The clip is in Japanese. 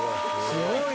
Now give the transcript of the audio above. すごい。